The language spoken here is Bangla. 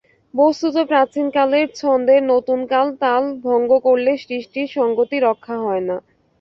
বস্তুত প্রাচীনকালের ছন্দের নতুনকাল তাল ভঙ্গ করলে সৃষ্টির সংগতি রক্ষা হয় না।।